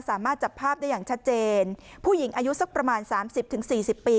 สามารถจับภาพได้อย่างชัดเจนผู้หญิงอายุสักประมาณสามสิบถึงสี่สิบปี